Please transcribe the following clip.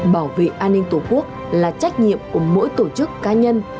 bảo vệ an ninh tổ quốc là trách nhiệm của mỗi tổ chức cá nhân